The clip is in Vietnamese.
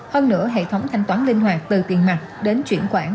hơn nửa hệ thống thanh toán linh hoạt từ tiền mặt đến chuyển quản